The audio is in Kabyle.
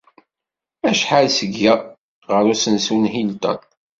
Acḥal seg-a ɣer usensu n Hilton?